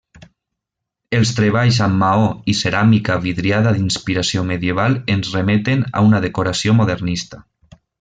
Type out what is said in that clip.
Els treballs amb maó i ceràmica vidriada d'inspiració medieval ens remeten a una decoració modernista.